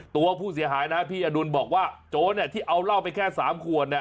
ตัวผู้เสียหายนะพี่อรุณบอกว่าโจ้นที่เอาร่าวไปแค่๓ขวด